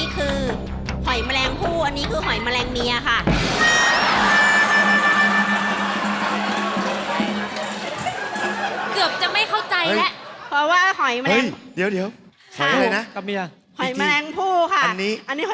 กูรูบอกดีกว่ากูรู